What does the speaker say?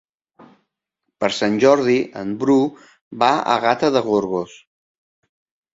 Per Sant Jordi en Bru va a Gata de Gorgos.